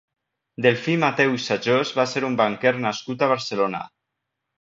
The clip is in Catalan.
Delfí Mateu i Sayos va ser un banquer nascut a Barcelona.